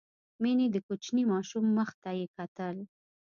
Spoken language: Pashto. مينې د کوچني ماشوم مخ ته يې کتل.